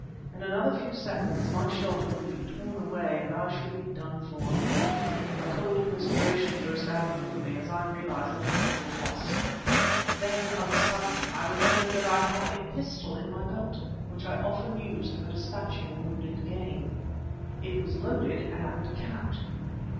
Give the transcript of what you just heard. In another few seconds my shelter would be torn away, and I should be done for. A cold perspiration burst out over me as I realized that I was lost. Then of a sudden I remembered that I had a pistol in my belt, which I often used for despatching wounded game. It was loaded and capped.